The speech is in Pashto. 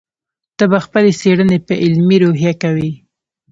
ته به خپلې څېړنې په علمي روحیه کوې.